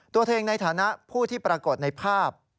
ตัวเองในฐานะผู้ที่ปรากฏในภาพ